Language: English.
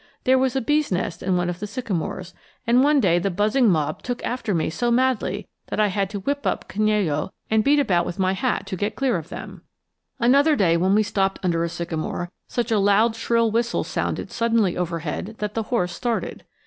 There was a bee's nest in one of the sycamores, and one day the buzzing mob 'took after me' so madly that I had to whip up Canello and beat about with my hat to get clear of them. [Illustration: ALONG THE LINE OF SYCAMORES] Another day, when we stopped under a sycamore, such a loud shrill whistle sounded suddenly overhead that the horse started.